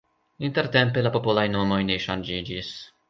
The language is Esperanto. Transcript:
Intertempe la popolaj nomoj ne ŝanĝiĝis.